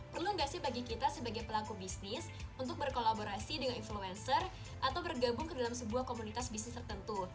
perlu nggak sih bagi kita sebagai pelaku bisnis untuk berkolaborasi dengan influencer atau bergabung ke dalam sebuah komunitas bisnis tertentu